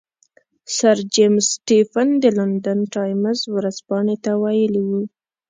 سر جیمز سټیفن د لندن ټایمز ورځپاڼې ته ویلي وو.